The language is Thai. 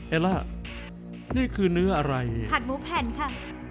ล่านี่คือเนื้ออะไรผัดหมูแผ่นค่ะ